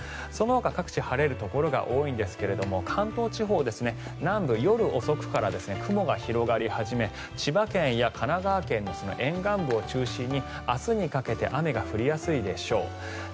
そのほか各地晴れるところが多いんですが関東地方の南部、夜遅くから雲が広がり始め千葉県や神奈川県の沿岸部を中心に明日にかけて雨が降りやすいでしょう。